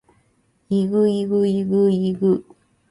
ｲｸﾞｲｸﾞｲｸﾞｲｸﾞ